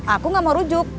aku nggak mau rujuk